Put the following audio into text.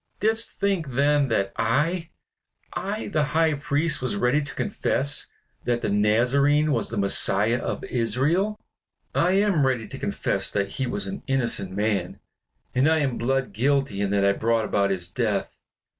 Didst think then that I I the High Priest, was ready to confess that the Nazarene was the Messiah of Israel! I am ready to confess that he was an innocent man; and I am blood guilty in that I brought about his death.